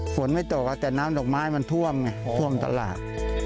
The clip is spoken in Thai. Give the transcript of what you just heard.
ฝนไม่ตกแต่น้ำดอกไม้มันท่วมไงท่วมตลาด